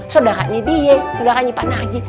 saudaranya dia saudaranya panarci